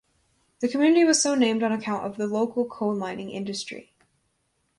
The community was so named on account of the local coal-mining industry.